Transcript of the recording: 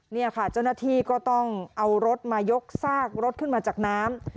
นี่ค่ะเจ้าหน้าที่ก็ต้องเอารถมายกซากรถขึ้นมาจากน้ำ